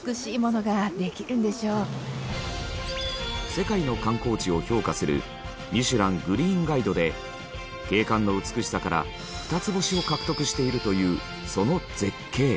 世界の観光地を評価する『ミシュラン・グリーンガイド』で景観の美しさから２つ星を獲得しているというその絶景。